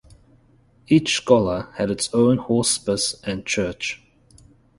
Each "Schola" had its own hospice and church.